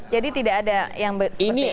jadi tidak ada yang seperti ini